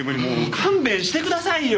勘弁してくださいよ。